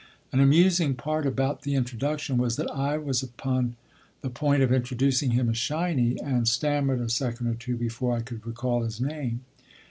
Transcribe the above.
An amusing part about the introduction was that I was upon the point of introducing him as "Shiny," and stammered a second or two before I could recall his name.